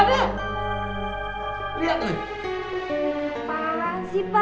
setinggi yang penting ini bisa bebas